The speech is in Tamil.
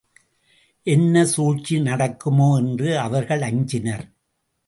என்ன சூழ்ச்சி நடக்குமோ? என்று அவர்கள் அஞ்சினர்.